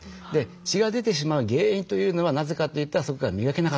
血が出てしまう原因というのはなぜかといったらそこが磨けなかった。